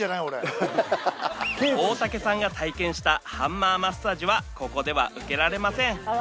俺大竹さんが体験したハンマーマッサージはここでは受けられません